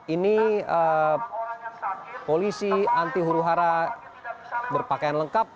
ini polisi anti huru hara berpakaian lengkap